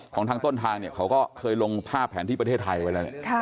ของทางต้นทางเขาก็เคยลงภาพแผนที่ประเทศไทยไว้แล้ว